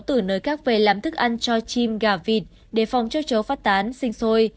từ nơi các về làm thức ăn cho chim gà vịt để phòng cho chấu phát tán sinh sôi